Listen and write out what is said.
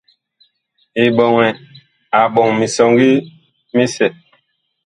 Eɓɔŋɛ a ɓɔŋ misɔŋgi misɛ.